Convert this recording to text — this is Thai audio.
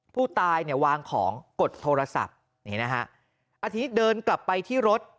ผู้ตายวางของกดโทรศัพท์อาทิตย์เติมกลับไปที่รถ